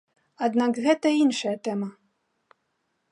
Аднак гэта іншая тэма.